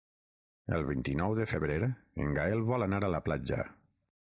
El vint-i-nou de febrer en Gaël vol anar a la platja.